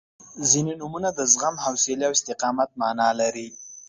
• ځینې نومونه د زغم، حوصلې او استقامت معنا لري.